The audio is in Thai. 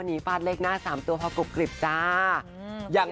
๙๙เนี่ย